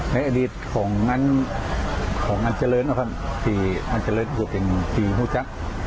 ในอดีตของอันเจริญนะครับที่อันเจริญบวชเป็นผีผู้จักร